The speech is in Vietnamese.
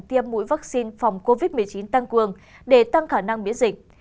tiêm mũi vaccine phòng covid một mươi chín tăng cường để tăng khả năng biế dịch